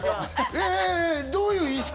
えどういう意識？